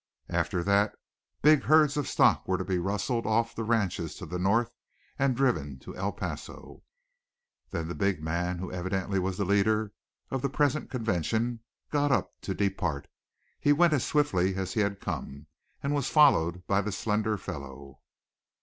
After that, big herds of stock were to be rustled off the ranches to the north and driven to El Paso. Then the big man, who evidently was the leader of the present convention, got up to depart. He went as swiftly as he had come, and was followed by the slender fellow.